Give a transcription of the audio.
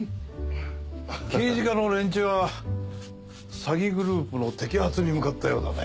刑事課の連中は詐欺グループの摘発に向かったようだね。